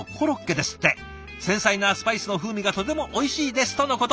「繊細なスパイスの風味がとてもおいしいです」とのこと。